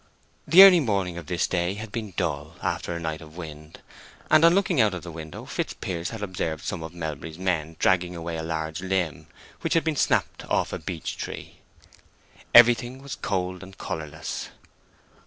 The early morning of this day had been dull, after a night of wind, and on looking out of the window Fitzpiers had observed some of Melbury's men dragging away a large limb which had been snapped off a beech tree. Everything was cold and colorless.